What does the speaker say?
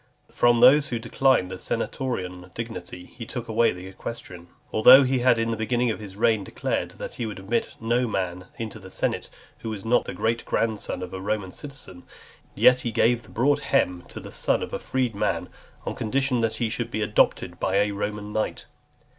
From those who declined the senatorian dignity, he took away the equestrian. Although he had in the beginning of his reign declared, that he would admit no man into the senate who was not the great grandson of a Roman citizen, yet he gave the "broad hem" to the son of a freedman, on condition that he should be adopted by a Roman knight.